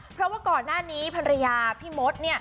เพราะว่าก่อนหน้านี้ภรรยาพี่มด